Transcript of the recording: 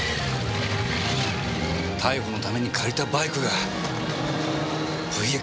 逮捕のために借りたバイクがＶＸ４００だ！